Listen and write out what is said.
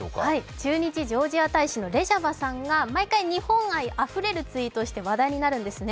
駐日ジョージア大使のレジャバさんが毎回、日本愛あふれるツイートをして話題になるんですね。